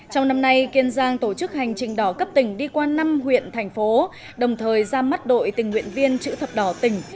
trong năm nay kiên giang tổ chức hành trình đỏ cấp tỉnh đi qua năm huyện thành phố đồng thời ra mắt đội tình nguyện viên chữ thập đỏ tỉnh